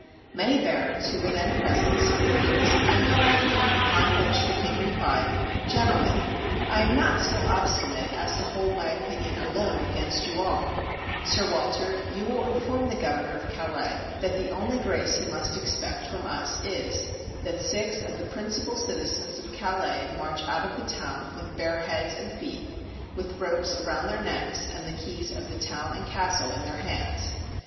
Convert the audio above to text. Many barons who were then present supported this opinion. Upon which the king replied: "Gentlemen, I am not so obstinate as to hold my opinion alone against you all : Sir W^alter, you will inform the governor of Calais that the only grace he must expect from us is, that six of the principal citizens of Calais march out of the town with bare heads and feet, with ropes around their necks, and the keys of the town and castle in their hands.